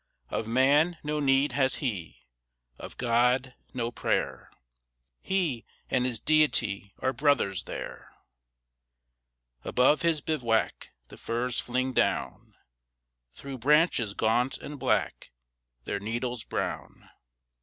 Of man no need has he, of God, no prayer; He and his Deity are brothers there. Above his bivouac the firs fling down Through branches gaunt and black, their needles brown.